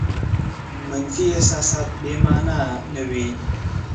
منفي احساسات بې مانا نه دي.